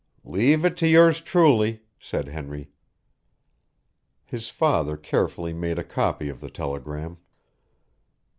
"Leave it to yours truly," said Henry. His father carefully made a copy of the telegram.